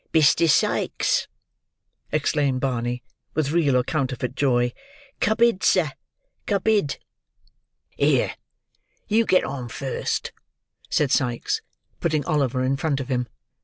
"Bister Sikes!" exclaimed Barney, with real or counterfeit joy; "cub id, sir; cub id." "Here! you get on first," said Sikes, putting Oliver in front of him.